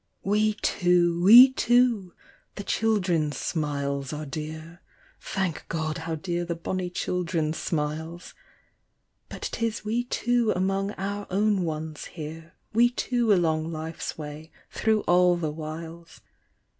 We two, we two ! the children's smiles are dear — Thank God how dear the bonny children's smiles! But 'tis we two among our own ones here. We two along life's way through all the whiles.